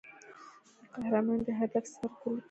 ای قهرمانې د هدف څرک ولګېد.